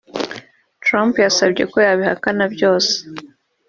Trump yasabye ko yabihakana byose